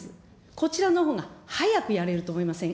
こちらのほうが早くやれると思いません。